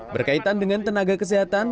berkaitan dengan tenaga kesehatan